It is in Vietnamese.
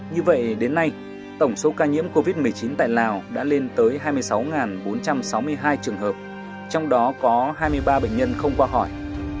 như vậy đến nay tổng số ca nhiễm covid một mươi chín tại lào đã lên tới hai mươi sáu bốn trăm sáu mươi hai trường hợp trong đó có hai mươi ba bệnh nhân không qua khỏi